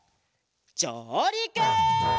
じょうりく！